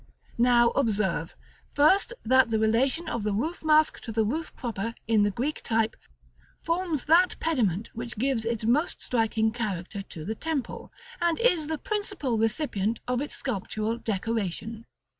Now, observe, first, that the relation of the roof mask to the roof proper, in the Greek type, forms that pediment which gives its most striking character to the temple, and is the principal recipient of its sculptural decoration.